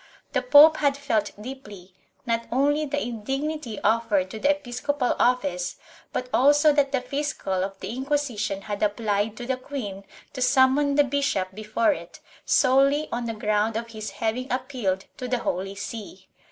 The pope had felt deeply, not only the indignity offered to the episcopal office, but also that the fiscal of the Inquisition had applied to the queen to summon the bishop before it, solely on the ground of his having appealed to the Holy See.